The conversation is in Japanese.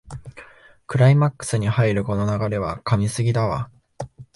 クライマックスに入るこの流れは神すぎだわ